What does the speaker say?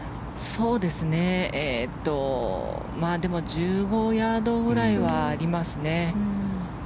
でも、１５ヤードぐらいはありますね。